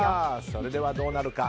それではどうなるか。